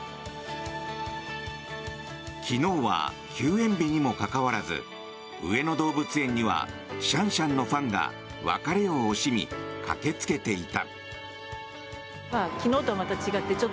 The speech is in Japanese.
昨日は休園日にもかかわらず上野動物園にはシャンシャンのファンが別れを惜しみ、駆けつけていた。